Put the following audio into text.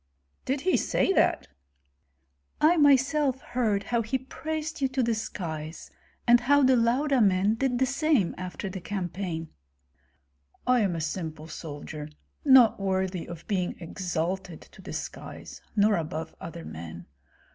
"Did he say that?" "I myself heard how he praised you to the skies, and how the Lauda men did the same after the campaign." "I am a simple soldier, not worthy of being exalted to the skies, nor above other men.